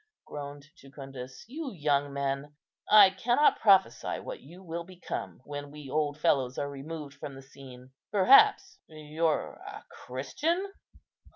groaned Jucundus; "you young men! I cannot prophesy what you will become, when we old fellows are removed from the scene. Perhaps you're a Christian?"